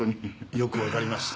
よくわかります。